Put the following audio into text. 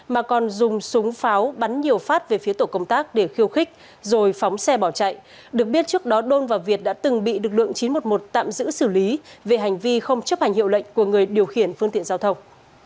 mà còn dùng súng pháo bắn nhiều phát về phía tổ công tác để khiêu khích rồi phóng xe bỏ chạy được biết trước đó đôn và việt đã từng bị lực lượng chín trăm một mươi một tạm giữ xử lý về hành vi không chấp hành hiệu lệnh của người điều khiển phương tiện giao thông